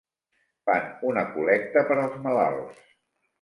Fan una col·lecta per als malalts.